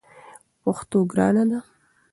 پښتو ګرانه ده!